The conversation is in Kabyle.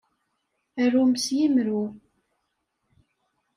Arum s yemru.